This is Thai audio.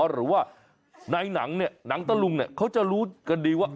หรือว่าในหนังเนี่ยหนังตะลุงเนี่ยเขาจะรู้กันดีว่า